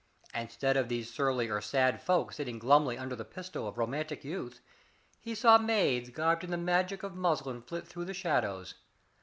Instead of these surly or sad folk sitting glumly under the pistol of romantic youth he saw maids garbed in the magic of muslin flit through the shadows.